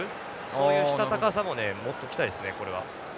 そういうしたたかさもね持っときたいですねこれは。